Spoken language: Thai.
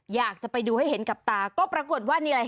อยากจะไปดูให้เห็นกับตาก็ปรากฏว่านี่แหละค่ะ